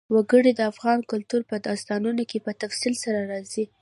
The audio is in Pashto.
وګړي د افغان کلتور په داستانونو کې په تفصیل سره راځي.